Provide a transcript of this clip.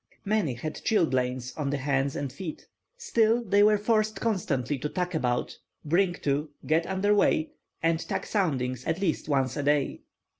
Many had chilblains on the hands and feet. Still they were forced constantly to tack about, bring to, get under weigh, and take soundings at least once a day.